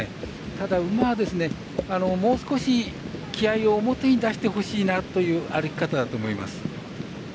ただ馬は、もう少し気合いを表に出してほしいなという歩き方だと思います。